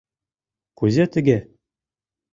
«Кузе тыге?».